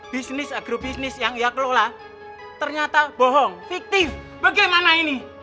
bisnis agrobisnis yang ia kelola ternyata bohong fiktif bagaimana ini